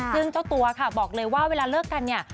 ซึ่งเจ้าตัวค่ะบอกเลยว่าเวลาเลิกกันเนี่ย